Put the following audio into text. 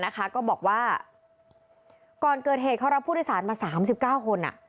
ก็บอกว่าก่อนเกิดเหตุเขารับผู้โดยสารมา๓๙คน